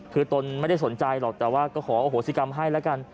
คือตนไม่ได้สนใจหรอกแต่ว่าก็ขออโหสิกรรมให้แล้วกัน